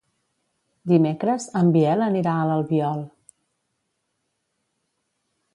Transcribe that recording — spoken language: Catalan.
Dimecres en Biel anirà a l'Albiol.